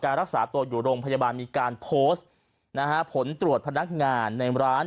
รักษาตัวอยู่โรงพยาบาลมีการโพสต์นะฮะผลตรวจพนักงานในร้าน